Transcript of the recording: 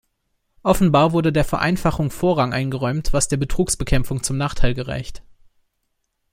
Offenbar wurde der Vereinfachung Vorrang eingeräumt, was der Betrugsbekämpfung zum Nachteil gereicht.